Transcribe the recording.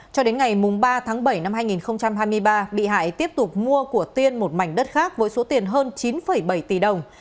cho đến ngày ba tháng bảy năm hai nghìn hai mươi ba bị hại tiếp tục mua của tiên một mảnh đất khác với số tiền hơn chín bảy tỷ đồng